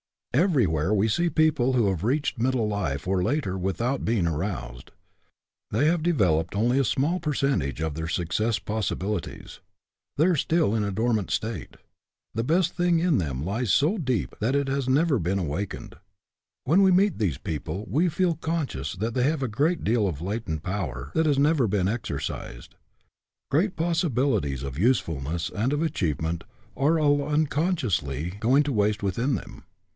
Everywhere we see people who have reached middle life or later without being aroused. They have developed only a small percentage of their success possibilities. They are still in a dormant state. The best thing in them lies so deep that it has never been awakened. When we meet these people we feel conscious that they have a great deal of latent power that has never been exercised. Great possibilities of usefulness and of achievement are, all unconsciously, going to waste within them.